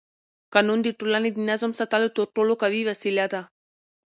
قانون د ټولنې د نظم ساتلو تر ټولو قوي وسیله ده